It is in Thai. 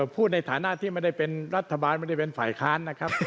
พูดในฐานะที่ไม่ได้เป็นรัฐบาลไม่ได้เป็นฝ่ายค้านนะครับ